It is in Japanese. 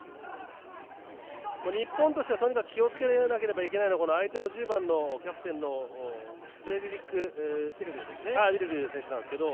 日本としてはとにかく気をつけなければいけないのが相手の１０番、キャプテンのフレデリック・ビルルー選手です。